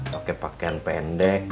pake pakaian pendek